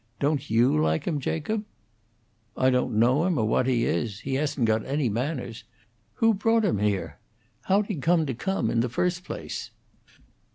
Don't you like him, Jacob?" "I don't know him, or what he is. He hasn't got any manners. Who brought him here? How'd he come to come, in the first place?"